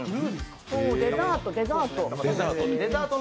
デザート、デザート。